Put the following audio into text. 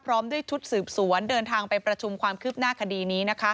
พร้อมด้วยชุดสืบสวนเดินทางไปประชุมความคืบหน้าคดีนี้